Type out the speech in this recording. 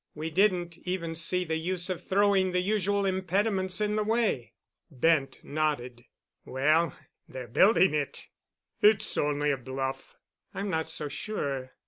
We didn't even see the use of throwing the usual impediments in the way." Bent nodded. "Well, they're building it." "It's only a bluff." "I'm not so sure.